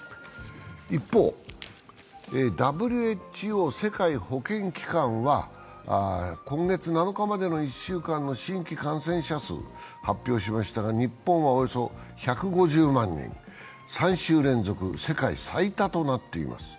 一方、ＷＨＯ＝世界保健機関は今月７日までの１週間の新規感染者数を発表しましたが日本はおよそ１５０万人、３週連続世界最多となっています。